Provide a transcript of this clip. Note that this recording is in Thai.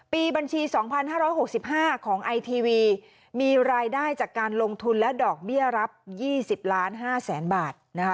บัญชี๒๕๖๕ของไอทีวีมีรายได้จากการลงทุนและดอกเบี้ยรับ๒๐ล้าน๕แสนบาท